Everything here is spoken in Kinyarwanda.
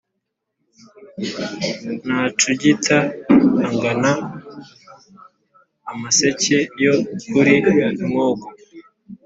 ntacugita angana amaseke yo ku ri mwogo